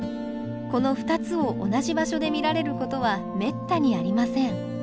この２つを同じ場所で見られることはめったにありません。